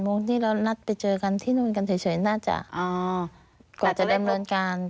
โมงนี้เรานัดไปเจอกันที่นู่นกันเฉยน่าจะกว่าจะดำเนินการ